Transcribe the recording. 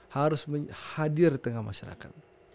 harus hadir di tengah masyarakat